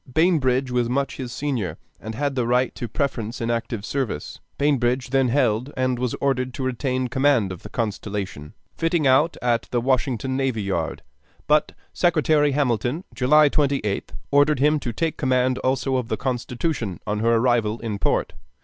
Bainbridge was much his senior, and had the right to a preference in active service. Bainbridge then held and was ordered to retain command of the Constellation, fitting out at the Washington Navy Yard; but Secretary Hamilton, July 28th, ordered him to take command also of the Constitution on her arrival in port.